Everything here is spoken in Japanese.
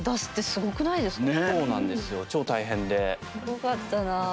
すごかったなぁ。